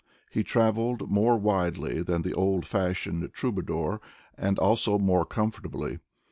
He traveled more widely than the old fashiotied troubadour and also more comfortably.